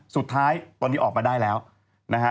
สุดท้ายตอนนี้ออกมาได้แล้วนะฮะ